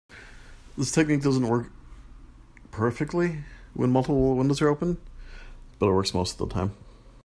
This technique doesn't work perfectly when multiple windows are open, but it works most of the time.